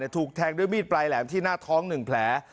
ถูกแทงด้วยมีดปลายแหลมที่หน้าท้อง๑แผล